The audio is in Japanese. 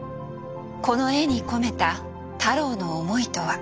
この絵に込めた太郎の思いとは。